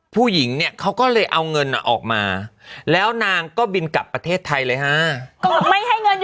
อยู่ดีอ้าวสงสารคุณนายฮะ